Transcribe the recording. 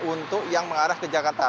untuk yang mengarah ke jakarta